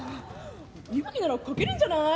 「いぶきなら書けるんじゃない？」